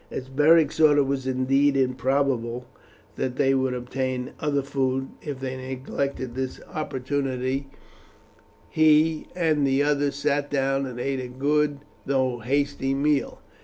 As Beric saw it was indeed improbable that they would obtain other food if they neglected this opportunity, he and the others sat down and ate a good, though hasty, meal.